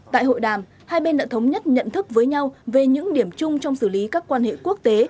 tại hội đàm hai bên đã thống nhất nhận thức với nhau về những điểm chung trong xử lý các quan hệ quốc tế